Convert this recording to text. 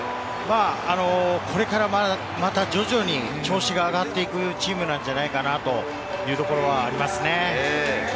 これからまた、徐々に調子が上がっていくチームなんじゃないかなというところはありますね。